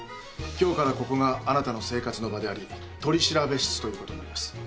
今日からここがあなたの生活の場であり取調室ということになります。